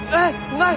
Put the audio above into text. ない！